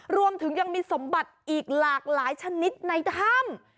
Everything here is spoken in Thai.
รวมถึงยังมีสมบัติอีกหลากหลายชนิดในถ้ำ